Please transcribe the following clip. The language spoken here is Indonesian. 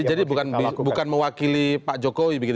jadi bukan mewakili pak jokowi begitu